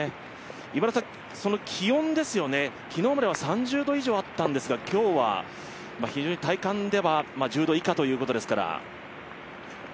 気温ですよね、昨日までは３０度以上あったんですが、今日は非常に体感では１０度以下ということですから。